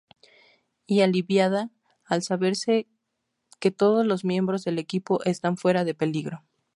Y aliviada al saberse que todos los miembros del equipo están fuera de peligro.